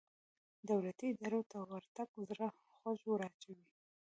دولتي ادارو ته ورتګ زړه خوږ وراچوي.